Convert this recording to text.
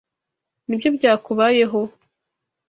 Nibyo byakubayeho?